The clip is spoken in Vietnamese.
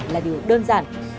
là điều đơn giản